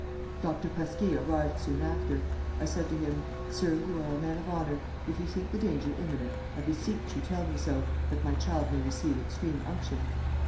"Dr. Pasquier arrived soon after. I said to him: 'Sir, you are a man of honor; if you think the danger imminent, I beseech you tell me so, that my child may receive extreme unction.'